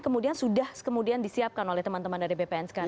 kemudian sudah kemudian disiapkan oleh teman teman dari bpn sekarang